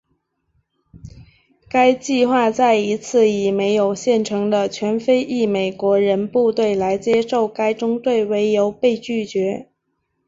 该计划再一次以没有现成的全非裔美国人部队来接收该中队为由被拒绝。